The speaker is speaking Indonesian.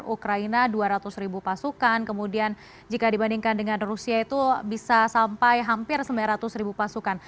ukraina dua ratus ribu pasukan kemudian jika dibandingkan dengan rusia itu bisa sampai hampir sembilan ratus ribu pasukan